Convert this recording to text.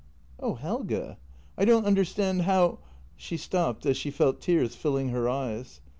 " Oh, Helge! I don't understand how. ..." She stopped, as she felt tears filling her eyes.